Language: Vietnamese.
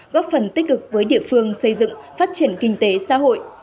góp phần tích cực với địa phương xây dựng phát triển kinh tế xã hội